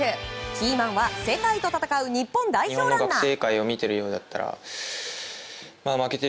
キーマンは世界と戦う日本代表ランナー。